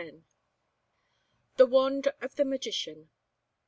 THE WAND OF THE MAGICIAN.